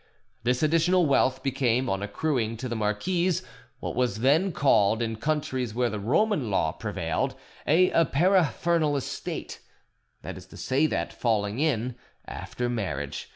This additional wealth became, on accruing to the marquise, what was then called, in countries where the Roman law prevailed, a 'paraphernal' estate that is to say that, falling in, after marriage?